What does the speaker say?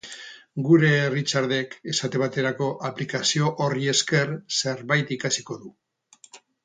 Gure Richardek, esate baterako, aplikazio horri esker zerbait ikasiko du.